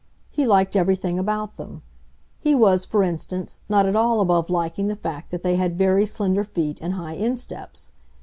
He liked everything about them: he was, for instance, not at all above liking the fact that they had very slender feet and high insteps.